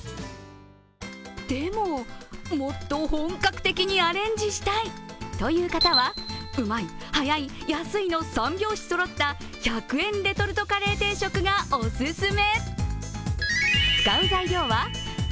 でも、もっと本格的にアレンジしたいという方はうまい、早い、安いの３拍子そろった１００円レトルトカレー定食がおすすめ。